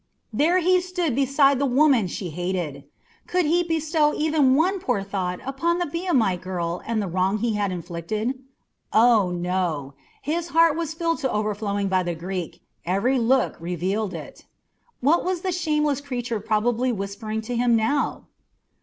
There he stood beside the woman she hated. Could he bestow even one poor thought upon the Biamite girl and the wrong he had inflicted? Oh, no! His heart was filled to overflowing by the Greek every look revealed it. What was the shameless creature probably whispering to him now?